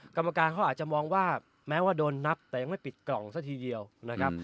กรรมการเขาอาจจะมองว่าแม้ว่าโดนนับแต่ยังไม่ปิดกล่องซะทีเดียวนะครับ